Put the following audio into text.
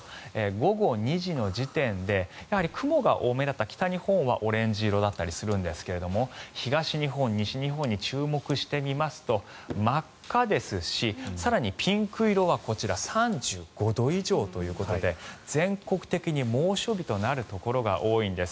午後２時の時点で雲が多めだった北日本はオレンジ色だったりするんですが東日本、西日本に注目してみますと真っ赤ですし更にピンク色はこちら３５度以上ということで全国的に猛暑日となるところが多いんです。